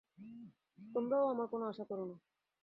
তোমরাও আমার কোন আশা করো না।